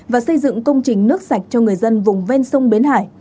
và xây dựng công trình nước sạch cho người dân vùng ven sông bến hải